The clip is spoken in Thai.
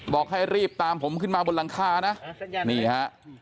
บอกให้รีบตามผมขึ้นมาบนหลังคานะนี่ฮะ